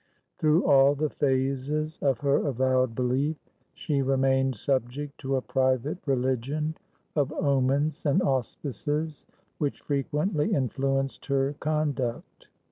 Through all the phases of her avowed belief, she remained subject to a private religion of omens and auspices, which frequently influenced her conduct.